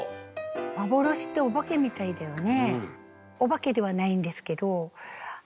幻ってお化けみたいだよね。